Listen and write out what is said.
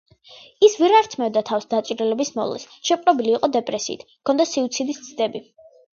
ის ვერ ართმევდა თავს დაჭრილების მოვლას, შეპყრობილი იყო დეპრესიით, ჰქონდა სუიციდის ცდები.